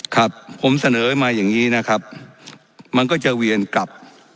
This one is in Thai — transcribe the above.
ครับผมเสนอมาอย่างนี้นะครับมันก็จะเวียนกลับ